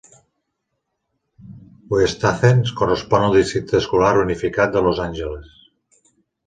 West Athens correspon al Districte escolar unificat de Los Angeles.